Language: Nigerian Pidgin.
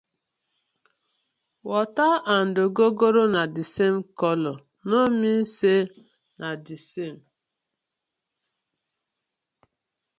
Water and ogogoro na the same colour, no mean say na the same: